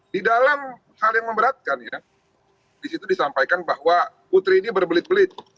di dalam hal yang memberatkan ya disitu disampaikan bahwa putri ini berbelit belit